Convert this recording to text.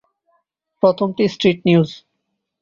প্রথমটি street news.